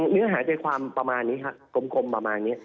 เนื้อหาใจความประมาณนี้ครับกลมประมาณนี้